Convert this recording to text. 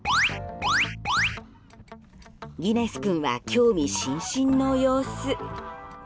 ギネス君は興味津々の様子。